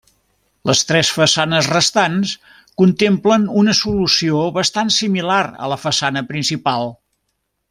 Les tres façanes restants contemplen una solució bastant similar a la façana principal.